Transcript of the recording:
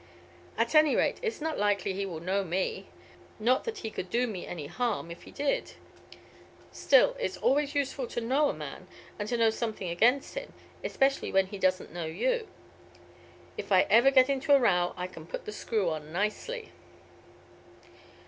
At any rate it's not likely he will know me; not that he could do me any harm if he did, still it's always useful to know a man and to know something against him, especially when he doesn't know you. If I ever get into a row I can put the screw on nicely."